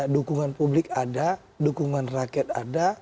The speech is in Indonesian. dukungan publik ada dukungan rakyat ada